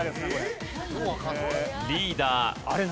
リーダー。